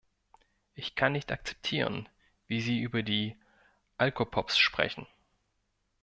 Ich kann nicht akzeptieren, wie Sie über die Alcopops sprechen.